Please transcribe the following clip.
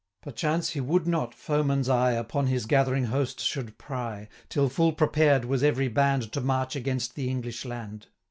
260 Perchance he would not foeman's eye Upon his gathering host should pry, Till full prepared was every band To march against the English land.